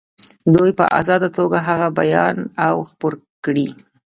دوی په آزاده توګه هغه بیان او خپور کړي.